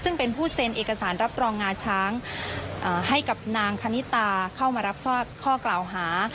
ซึ่งเป็นผู้เซ็นเอกสารรับรองงาช้างให้กับนางคณิตาเข้ามารับทราบข้อกล่าวหา